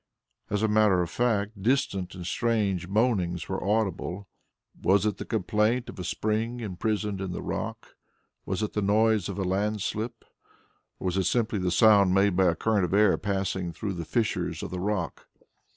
As a matter of fact distant and strange moanings were audible. Was it the complaint of a spring imprisoned in the rock? Was it the noise of a landslip? Or was it simply the sound made by a current of air passing through the fissures of the rock?